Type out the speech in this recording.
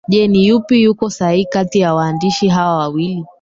Je ni yupi yuko sahihi kati ya waandishi hawa wawili